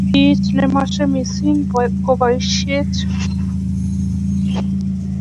Kiit nemache missing ko boisiet